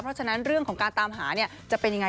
เพราะฉะนั้นเรื่องของการตามหาจะเป็นยังไง